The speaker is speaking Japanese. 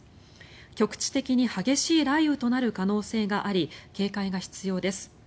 局地的に激しい雷雨となる可能性があり警戒が必要です。